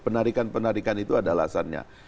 ya penarikan penarikan itu adalah alasannya